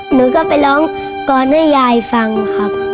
หนูก็ไปร้องกรให้ยายฟังครับ